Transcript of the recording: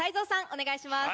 お願いします。